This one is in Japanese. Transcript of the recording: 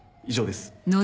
以上です。